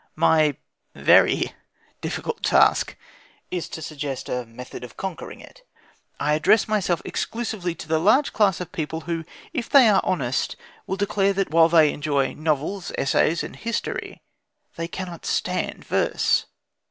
My very difficult task is to suggest a method of conquering it. I address myself exclusively to the large class of people who, if they are honest, will declare that, while they enjoy novels, essays, and history, they cannot "stand" verse.